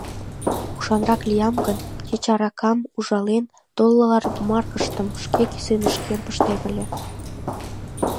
Ушанрак лиям гын, кеч аракам ужален, доллар-маркыштым шке кӱсенышкем пыштем ыле...